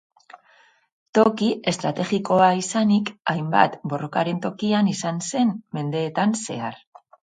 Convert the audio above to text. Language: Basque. Toki estrategikoa izanik hainbat borrokaren tokia izan zen mendeetan zehar.